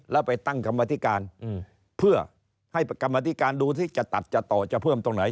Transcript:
แล้วไปตั้งกรรมธิการเพื่อให้กรรมธิการดูสิจะตัดจะต่อจะเพิ่มตรงไหน